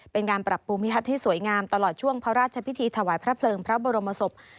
เป็นงานปรับปรุงพิธรรมที่สวยงามตลอดช่วงพระราชพิธีถวายพระเผลิงพระบรมศพ